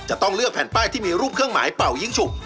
จะต้องเลือกแผ่นป้ายที่มีรูปเครื่องหมายเป่ายิ้งฉุก